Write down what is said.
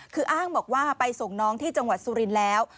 คืออ้างบอกว่าไปส่งน้องที่จังหวัดสุรินทร์แล้ว